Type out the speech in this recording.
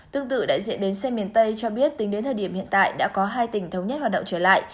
tương tự đại diện bến xe miền tây cho biết tính đến thời điểm hiện tại đã có hai tỉnh thống nhất hoạt động trở lại